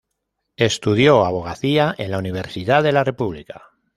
Estudió abogacía en la Universidad de la República.